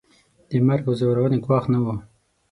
د مرګ او ځورونې ګواښ نه وو.